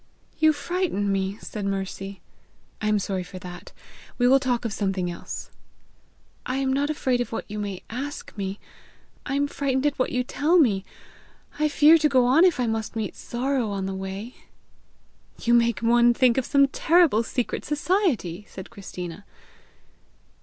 "You frighten me!" said Mercy. "I am sorry for that. We will talk of something else." "I am not afraid of what you may ask me; I am frightened at what you tell me. I fear to go on if I must meet Sorrow on the way!" "You make one think of some terrible secret society!" said Christina.